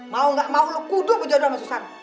mau gak mau lo kuduk berjodoh sama susah